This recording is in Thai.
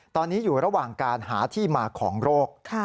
ตอนนี้อยู่ระหว่างการหาที่มาของโรค